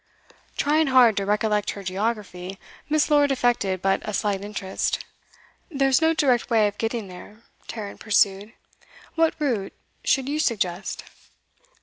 Trying hard to recollect her geography, Miss. Lord affected but a slight interest. 'There's no direct way of getting there,' Tarrant pursued. 'What route should you suggest?